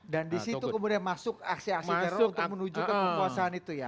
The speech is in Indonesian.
dan di situ kemudian masuk aksi aksi teror untuk menuju ke kekuasaan itu ya